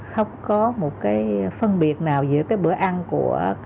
không có phân biệt nào giữa bữa ăn của